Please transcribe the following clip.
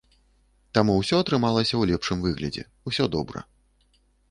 Таму ўсё атрымалася ў лепшым выглядзе, усё добра.